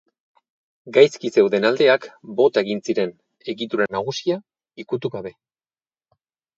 Gaizki zeuden aldeak bota egin ziren egitura nagusia ikutu gabe.